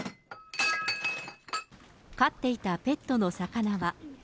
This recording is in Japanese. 飼っていたペットの魚は。